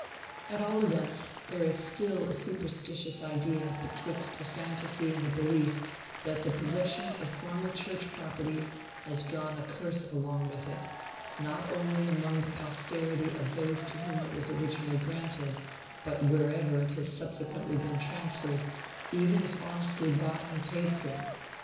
At all events, there is still a superstitious idea, betwixt a fantasy and a belief, that the possession of former Church property has drawn a curse along with it, not only among the posterity of those to whom it was originally granted, but wherever it has subsequently been transferred, even if honestly bought and paid for.